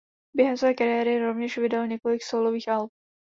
Během své kariéry rovněž vydal několik sólových alb.